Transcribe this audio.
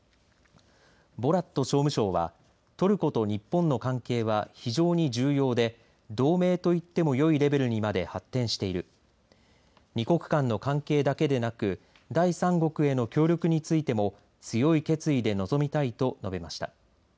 ボラット商務相はトルコと日本の関係は非常に重要で同盟と言ってもよいレベルにまで発展している２国間の関係ではなく第３国への協力についても強い決意で臨みたいと述べました。